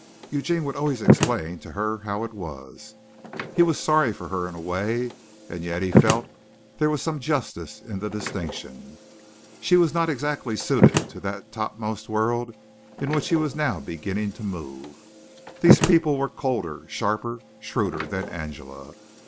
Eugene would always explain to her how it was. He was sorry for her in a way, and yet he felt there was some justice in the distinction. She was not exactly suited to that topmost world in which he was now beginning to move. These people were colder, sharper, shrewder, than Angela.